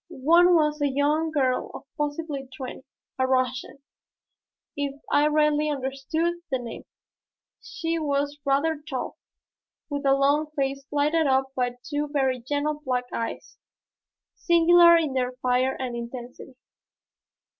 One was a young girl of possibly twenty a Russian if I rightly understood the name. She was rather tall, with a long face lighted up by two very gentle black eyes, singular in their fire and intensity.